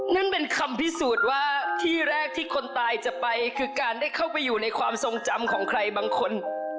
นั่นเป็นคำพิสูจน์ว่าที่แรกที่คนตายจะไปคือการได้เข้าไปอยู่ในความทรงจำของใครบางคน